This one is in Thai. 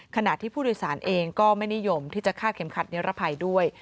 ขณะที่ผู้โดยสารเองก็ไม่นิยมที่จะฆ่าเข็มขัดนิรภัยด้วย